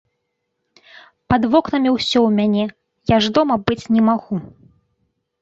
Пад вокнамі ўсё у мяне, я ж дома быць не магу!